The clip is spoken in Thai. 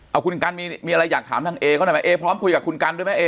เอาคุณกันมีอะไรอยากถามทางเอเขาหน่อยไหมเอพร้อมคุยกับคุณกันด้วยไหมเอ